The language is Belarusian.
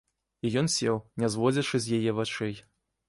І ён сеў, не зводзячы з яе вачэй.